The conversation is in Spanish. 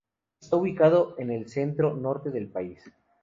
Está ubicado en el centro norte del país.